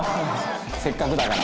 「せっかくだから」